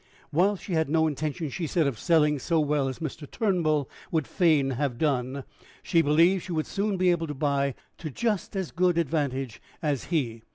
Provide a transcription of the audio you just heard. While she had no intention, she said, of selling so well as Mr. Turnbull would fain have done, she believed she would soon be able to buy to just as good advantage as he.